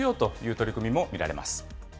取り組みも見られます。